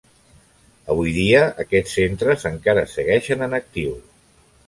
Avui dia aquests centres encara segueixen en actiu.